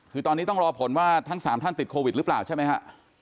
คือตอนนี้ต้องรอผลว่าทั้ง๓ท่านติดโควิดหรือเปล่าใช่ไหมฮะ